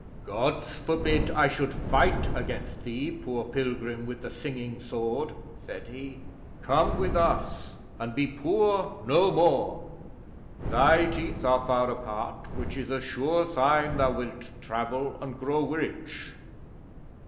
'"Gods forbid I should fight against thee, poor Pilgrim with the Singing Sword," said he. "Come with us and be poor no more. Thy teeth are far apart, which is a sure sign thou wilt travel and grow rich."